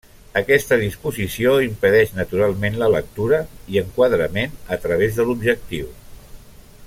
Aquesta disposició impedeix naturalment la lectura i enquadrament a través de l'objectiu.